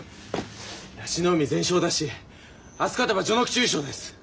椰子の海全勝だし明日勝てば序ノ口優勝です。